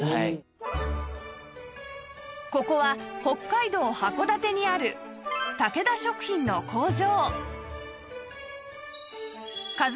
ここは北海道函館にある竹田食品の工場